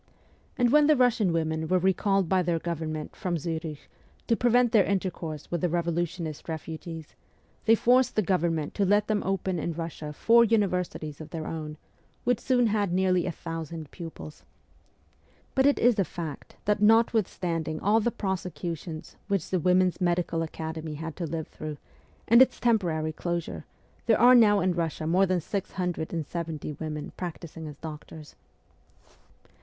And when the Russian women were recalled by their Government from Zurich, to prevent their intercourse with the revolutionist refugees, they forced the Government to let them open in Eussia four universities of their own, which soon had nearly a thousand pupils. It seems almost incredible, but it is a fact that notwithstanding all the prosecutions which the Women's Medical Academy had to live through, and its temporary closure, there are now in Russia more than six hundred and seventy women practising as doctors.